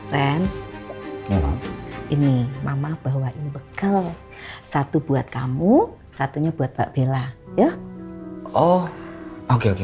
ren ini mama bahwa ini bekal satu buat kamu satunya buat mbak bella ya oh oke oke